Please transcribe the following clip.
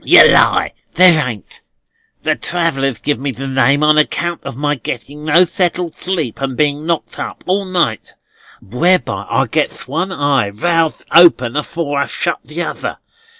"Yer lie, there ain't. The travellers give me the name on account of my getting no settled sleep and being knocked up all night; whereby I gets one eye roused open afore I've shut the other.